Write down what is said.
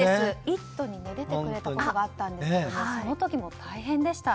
「イット！」に出てくれたことがあったんですけどその時も大変でした。